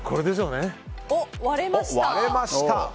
割れました。